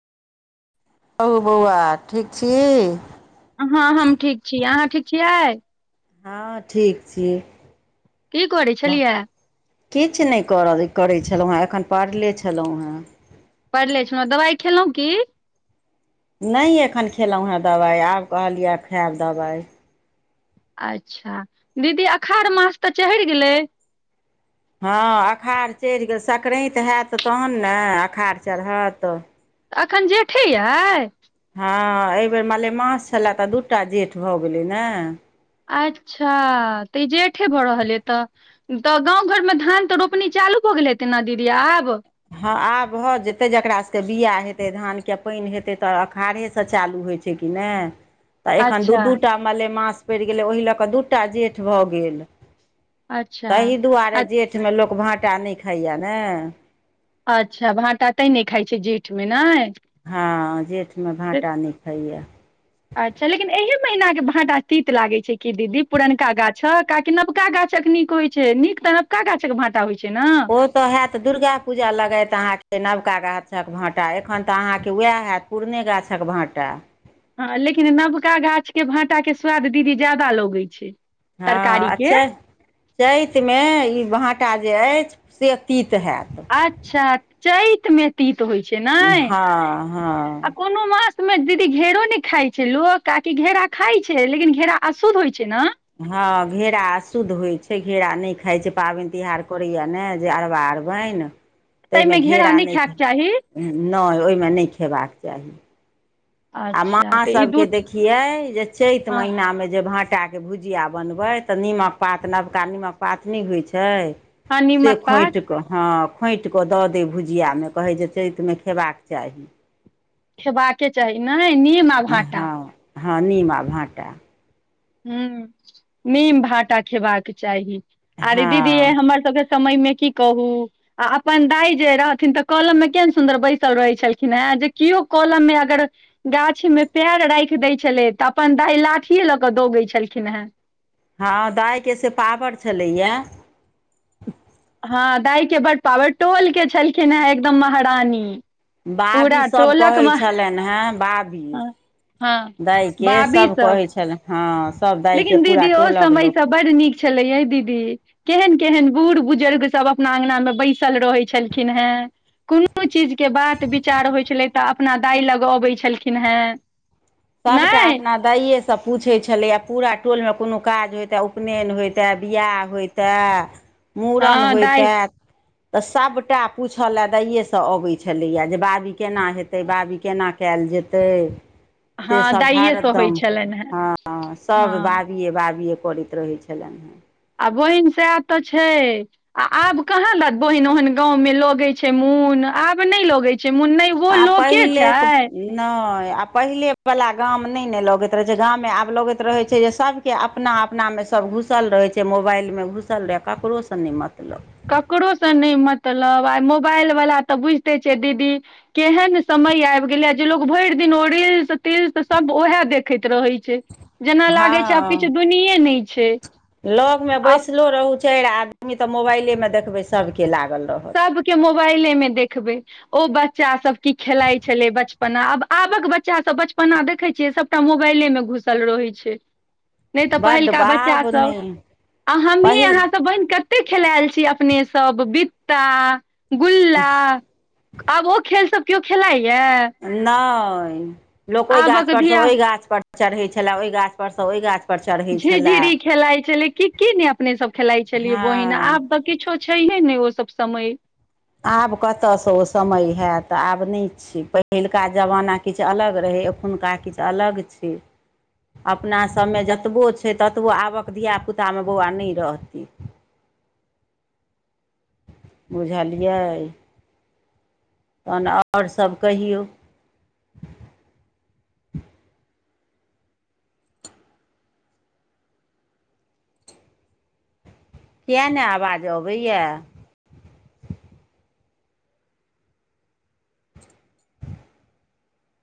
हहु बौआ ठीक छी हँ हम ठीक छी अहाँ ठीक यै हँ ठीक छी की करै छलियै किछु नहि कर करैत छलहुँ हेँ एखन पढ़ले छलहुँ हेँ पढ़ि लै छलहुँ दबाइ खेलहुँ की नहि एखन खेलहुँ हेँ दबाइ आब कहलिय खायब दबाइ अच्छा दीदी अखाढ़ मास तऽ चहैर गेलै हँ अख़ार चैध गेल सकरान्त हयत तहन ने अखार चढ़त तऽ एखन जेठे अए हँ एहिबेर मलेमास छलए तऽ दूटा जेठ भऽ गेलै ने अच्छा तऽ ई जेठे भऽ रहल य तऽ तऽ गाँंव घर मे धान तऽ रोपनी चालू हो गेलै तेना दीदी आब हँ आब भऽ जेतै जकरा सबके बिआ हेतै धानके पैन हेतै तऽ अख़ारे सँ चालू होइ छै कि नैय तऽ एखन दू अच्छा दू टा मलेमास पड़ि गेलै ओहि लऽ कऽ दू टा जेठ भऽ गेल अच्छा तही दुआरे अ- जेठमे लोक भाँटा नहि खाइए ने अच्छा भाटा तै नहि खाइ छै जेठमे नहि हँ जेठमे भाँटा नै ख़ाइए अच्छा लेकिन एहि महीनाके भाटा तीत लागैत छै कि दीदी पुरनका गाछ ह काहाकि नबका गाछ तक नीक होइ छै नीक त नबकाछक भाटा होइ छै ने ओ तऽ होयैत दुर्गा पूजा लगत अहाँके नवका गा गाछक भाँटा एखन तऽ अहाँके उएह हयैत पुरने गाछक भाँटा हँ लेकिन नवका गाछके भाटाके स्वाद दीदी ज्यादा लगै छै हँ तरकारी के अच्छा चैतमे ई वहाँ एकटा जे अछि से तित हैत अच्छा चैत मे तीत होइ छै ने हँ हँ आ कोनो मास मे दीदी घेरो ने खाइ छै लोक काकि घेरा खाइ छै लेकिन घेरा अशुद्ध होइ छै ने हँ घेरा अशुद्ध होइत छै घेरा नहि खाइत छै पाबनि तिहार करैए ने जे अरबा अरुयैन ताहिमे तहिमे घेरा खायके नहि चाही नहि ओहिमे नहि खेबाक चाही आ अच्छा माँ तऽ ई दू सभके देखियै जे चैत हँ महिनामे जे भाँट काके भुजिया बनबै तऽ निमक पात नबका निमक पात नहि होइ छै हँ नीमक पात सेखोट के हँ खोँटि कऽ दऽ दै भुजियामे कहै जे चैतमे खयबाक चाही खेबाके चाही नहि नीम आ भाटा हँ हँ नीम आ भाँटा ह नीम भाटा खेबाक चाही आर ई हँ दीदी ये हमर सबके समय मे की कहू आ अपन दाई जे रहथिन तऽ कलम मे केहेन सुन्दर बैसल रहैत छलखिन हैं जे केओ कलम मे अगर गाछी मे पैर राइख दै छलै तऽ अपन दाइ लाठिये ल क क दौगै छलखिन हैं आ हँ दाइ के बड्ड पावर टोल के छलखिन है एकदम महारानी बॉबी पूरा सभ टोलक कहै मह छलनि हैं बाबी हँ दैके सब कहै छलनि हँ सभ दाइके लेकिन पूरा दीदी ओ टोलक लोक समयसँ बड नीक छलैय दीदी केहन केहन बूढ़ बढ़ बुजुर्ग सब अपना अंगना मे बैसल रहै छलखिन हेँ कोनो चीजके बात विचार होइत छलै तऽ अपना दाइ लग अबैत छलखिन हैं सबटा अपना दाइए स स पूछैत छलैए पूरा टोलमे कोनो काज होइतै उपनयन होइतै बियाह होइतै मूड़न हँ होइतै दाइ त सबटा पूछले दाइये से अबै छलैया जे बाबी केना हेते बाबी केना कयल जेतै से हँ सब दाइए सँ होइ हरदम छलनि हेँ हँ हँ सब बाबिये बाबिये करैत रहै छलनि हैं आ बहिन सएह तऽ छै आ आब कहाँ लत बहिन ओहन गाँंव मे लगै छै मुन आब नहि लगै छै मुन नै ओ आ लोके पहिले छै नहि आ पहिलेवला गाम नहि ने लगैत रहै छै गाममे आब लगैत रहै छै जे सभके अपना अपनामे सब सब घुसल रहै छै मोबाइलमे घुसल रहै ककरोसँ नहि मतलब ककरोसँ नहि मतलब आइ मोबाइल वला तऽ बुझिते छियै दीदी केहन सम मय आबि गेलैया जे लोग भरि दिन ओ रिल्स तिल्स सब उहे देखैत रहे छै जेना लागै छै आब हँ किछु दुनिए नहि छै लग मे आब बैसलो रहु चाइर आदमी तऽ मोबाइले मे देखबै सबके लागल रहत सबके मोबाइले मे देखबै ओ बच्चा सब की खेलाइत छलै बचपना आब आबक बच्चा सब बचपना देखै छै सबटा मोबाइले मे घुसल रहैत छै नहि तऽ बड्ड पहिलका बाप बच्चास सभ नहि आ हमहीँ पहिल अहाँसभ बहिन कते खेलायल छी अपने सब बित्ता गुल्ला आब ओ खेल सब केओ खेलाइ नहि लोक ओहि गाछ आबक पर सँ धिया ओहि गाछ पर चढ़ै छले ओहि गाछ पर स ओहि गाछ पर चढ़ै छलए झिझरी खेलाइत छलै की की नहि अपने सब खेलाइत छलियै बहिना हँ आब तऽ किछो छै छैहे नहि ओ सब समय आब कतयसँ ओ समय हैत आब नहि छै पहिलुका जमाना किछु अलग रहै एखुनका किछु अलग छै अपना सभमे जतबो छै ततबो आबक धियापुतामे बौआ नहि रहतै [inaudible] बुझलियै तहन और सभ कहियौ किया नहि आवाज अबैया